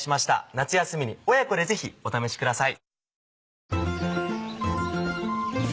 夏休みに親子でぜひお試しください。